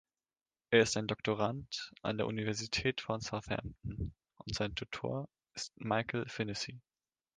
Er ist ein Doktorand an der Universität von Southampton und sein Tutor ist Michael Finnissy.